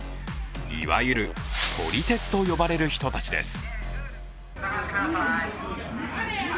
いわゆる撮り鉄と呼ばれる人たちです。